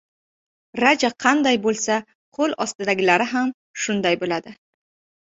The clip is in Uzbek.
• Raja qanday bo‘lsa, qo‘l ostidagilari ham shunday bo‘ladi.